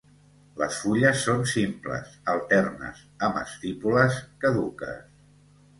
Les fulles són simples, alternes, amb estípules caduques.